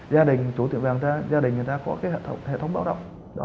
gia đình chủ tiệm vàng gia đình người ta có hệ thống báo động